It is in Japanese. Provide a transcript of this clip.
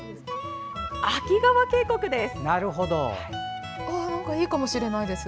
秋川渓谷です。